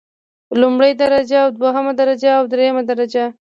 لومړۍ درجه او دوهمه درجه او دریمه درجه.